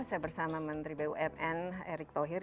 saya bersama menteri bumn erick thohir